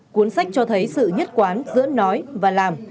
cuốn sách cho thấy sự nhất quán giữa nói và làm